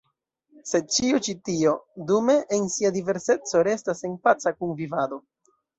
Sed ĉio ĉi tio, dume, en sia diverseco restas en paca kunvivado.